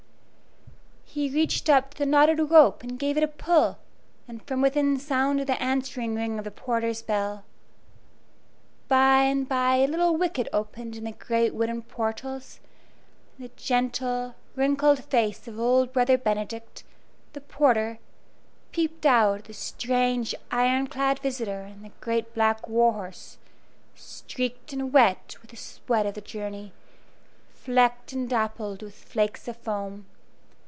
He reached up to the knotted rope and gave it a pull, and from within sounded the answering ring of the porter's bell. By and by a little wicket opened in the great wooden portals, and the gentle, wrinkled face of old Brother Benedict, the porter, peeped out at the strange iron clad visitor and the great black war horse, streaked and wet with the sweat of the journey, flecked and dappled with flakes of foam.